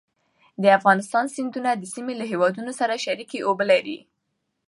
د افغانستان سیندونه د سیمې له هېوادونو سره شریکې اوبه لري.